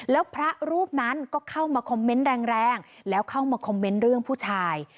แล้วพระรูปนั้นก็เข้ามาคอมเมนต์แรงแล้วเข้ามาคอมเมนต์เรื่องผู้ชาย